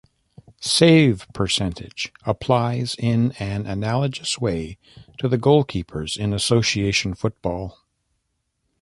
Save percentage applies in an analogous way to goalkeepers in association football.